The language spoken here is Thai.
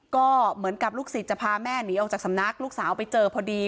ก็เหมือนกับลูกศิษย์จะพาแม่หนีออกจากสำนักลูกสาวไปเจอพอดี